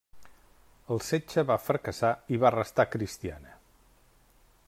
El setge va fracassar i va restar cristiana.